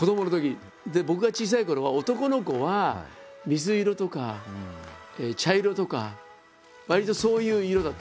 僕が小さいころは男の子は水色とか茶色とかわりとそういう色だったんですよ。